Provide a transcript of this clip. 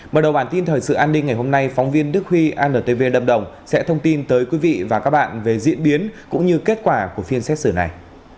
mở đầu bản tin thời sự an ninh ngày hôm nay phóng viên đức huy antv lâm đồng sẽ thông tin tới quý vị và các bạn về diễn biến cũng như kết quả của phiên xét xử này